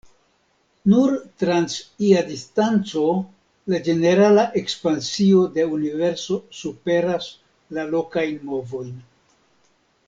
Nur trans ia distanco, la ĝenerala ekspansio de Universo superas la lokajn movojn.